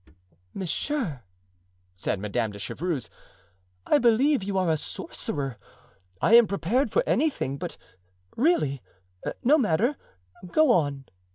"Monsieur," said Madame de Chevreuse, "I believe you are a sorcerer; I am prepared for anything. But really—No matter, go on."